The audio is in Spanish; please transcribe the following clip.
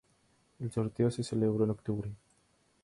El sorteo se celebró en octubre.